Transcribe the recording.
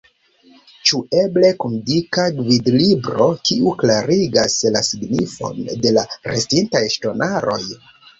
Ĉu eble kun dika gvidlibro, kiu klarigas la signifon de la restintaj ŝtonaroj?